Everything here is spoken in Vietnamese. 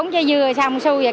bốn trái dưa xong xui rồi